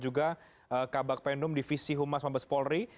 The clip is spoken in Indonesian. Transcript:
juga kabak penum divisi humas mabes polri